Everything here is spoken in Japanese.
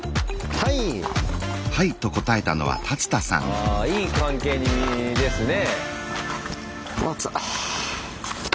あいい関係ですね。